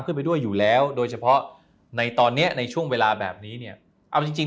ไปด้วยอยู่แล้วโดยเฉพาะในตอนเนี้ยในช่วงเวลาแบบนี้เนี่ยเอาจริงจริง